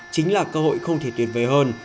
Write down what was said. chính là cơ hội không thể tuyệt vời hơn